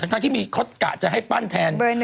ทั้งที่มีเขากะจะให้ปั้นแทน